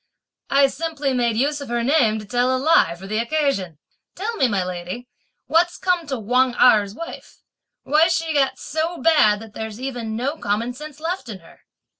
"I simply made use of her name to tell a lie for the occasion. Tell me, my lady, (what's come to) Wang Erh's wife? why she's got so bad that there's even no common sense left in her!"